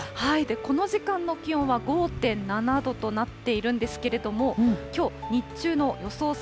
この時間の気温は５．７度となっているんですけれども、きょう日中の予想